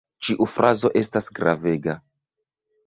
Ĉiu frazo estas gravega.